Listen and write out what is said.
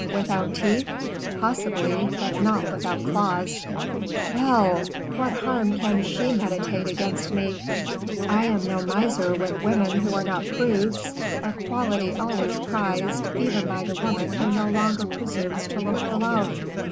"Without teeth?" "Possibly, but not without claws." "Well! what harm can she meditate against me? I am no miser with women who are not prudes. A quality always prized, even by the woman who no longer presumes to look for love."